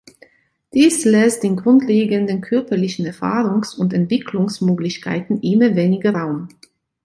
Dies lässt den grundlegenden körperlichen Erfahrungs- und Entwicklungsmöglichkeiten immer weniger Raum.